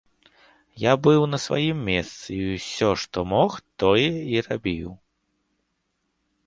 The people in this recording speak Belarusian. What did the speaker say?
Я быў на сваім месцы, і ўсё, што мог, тое і рабіў.